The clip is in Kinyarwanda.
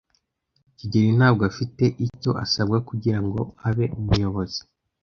kigeli ntabwo afite icyo asabwa kugirango abe umuyobozi.